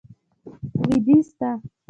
لوېدیځ ته.